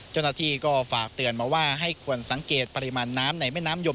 เจ้าหน้าที่ก็ฝากเตือนมาว่าให้ควรสังเกตปริมาณน้ำในแม่น้ำยม